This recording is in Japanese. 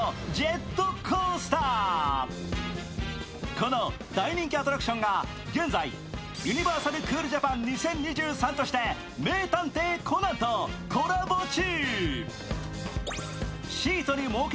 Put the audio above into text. この大人気アトラクションが現在、ユニバーサル・クールジャパン２０２３として「名探偵コナン」とコラボ中。